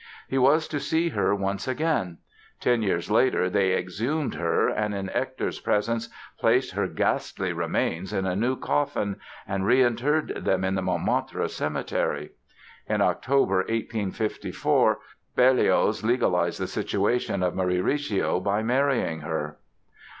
He was to see her once again! Ten years later they exhumed her and, in Hector's presence, placed her ghastly remains in a new coffin and reinterred them in the Montmartre Cemetery. In October, 1854, Berlioz legalized the situation of Marie Recio by marrying her.